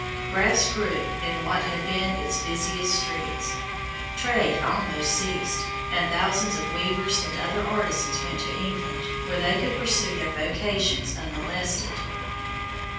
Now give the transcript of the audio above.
Grass grew in what had been its busiest streets, trade almost ceased, and thousands of weavers and other artisans went to England where they could pursue their vocations unmolested.